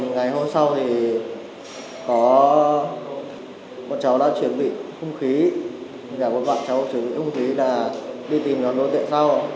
ngày hôm sau thì có bọn cháu đã chuẩn bị hung khí bọn cháu chuẩn bị hung khí là đi tìm nhóm đối tượng sau